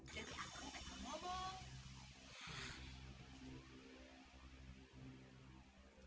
jadi akarmu tak akan ngomong